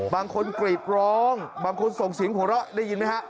บางคนกรีบร้องบางคนส่งสิงหัวเราะได้ยินไหมครับ